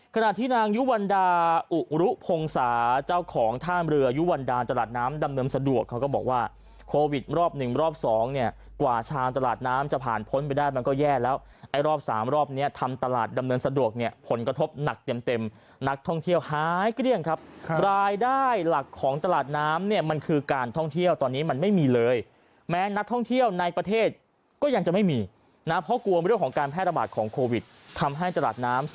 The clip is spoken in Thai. ขณะที่นางยุวันดาอุรุพงศาเจ้าของท่านเรือยุวันดาตลาดน้ำดำเนินสะดวกเขาก็บอกว่าโควิดรอบหนึ่งรอบสองเนี่ยกว่าชาวตลาดน้ำจะผ่านพ้นไปได้มันก็แย่แล้วไอ้รอบสามรอบเนี้ยทำตลาดดำเนินสะดวกเนี่ยผลกระทบหนักเต็มเต็มนักท่องเที่ยวหายเกลี้ยงครับครับรายได้หลักของตล